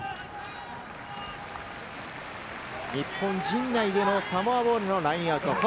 日本陣内でのサモアボールのラインアウト。